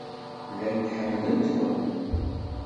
Llant ḥemmlent-ken.